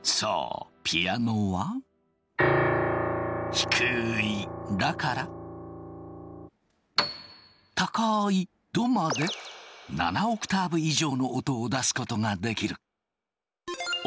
低い「ラ」から高い「ド」まで７オクターブ以上の音を出すことができる。